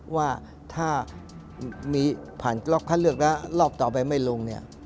ว่าถ้าผ่านกล้องพระเลือกแล้วรอบต่อไปไม่ลง